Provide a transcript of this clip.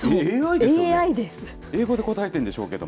英語で答えてるんでしょうけれども。